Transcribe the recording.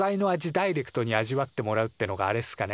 ダイレクトに味わってもらうってのがあれっすかね